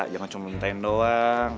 jangan cuma minta doang